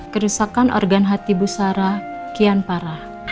kerusakan organ hati bu sarah kian parah